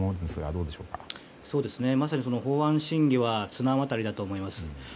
そうですね、まさに法案審議は綱渡りだと思います。